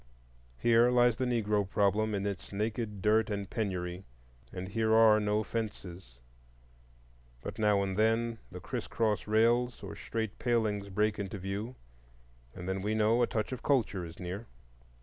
Here lies the Negro problem in its naked dirt and penury. And here are no fences. But now and then the crisscross rails or straight palings break into view, and then we know a touch of culture is near.